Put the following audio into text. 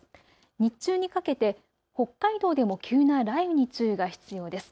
日中にかけて北海道でも急な雷雨に注意が必要です。